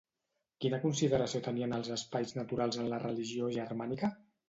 Quina consideració tenien els espais naturals en la religió germànica?